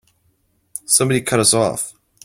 Somebody cut us off!